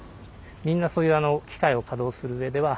みんなそういう機械を稼働する上では。